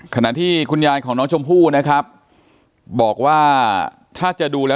ขณะที่คุณยายของน้องชมพู่นะครับบอกว่าถ้าจะดูแล้ว